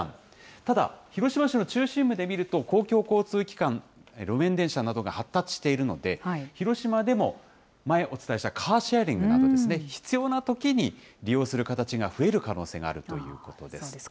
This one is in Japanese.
ただ、広島市の中心部で見ると、公共交通機関、路面電車などが発達しているので、広島でも前お伝えしたカーシェアリングなど、必要なときに利用する形が増える可能性があるということです。